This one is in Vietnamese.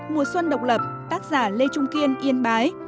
mùa xuân độc lập tác giả lê trung kiên yên bái